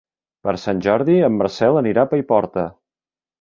Per Sant Jordi en Marcel anirà a Paiporta.